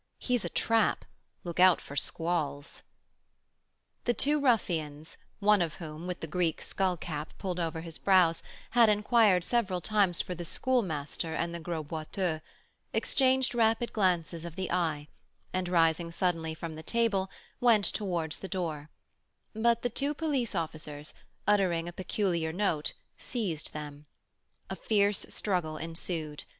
He's a 'trap.' Look out for squalls." The two ruffians, one of whom, with the Greek skull cap pulled over his brows, had inquired several times for the Schoolmaster and the Gros Boiteux, exchanged rapid glances of the eye, and, rising suddenly from the table, went towards the door; but the two police officers, uttering a peculiar note, seized them. A fierce struggle ensued.